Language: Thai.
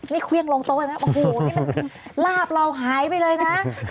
นี่เครื่องลงโต๊ะเห็นไหมโอ้โหนี่มันลาบเราหายไปเลยนะ